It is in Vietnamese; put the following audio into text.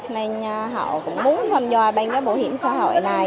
nên họ cũng muốn tham gia ban cái bảo hiểm xã hội này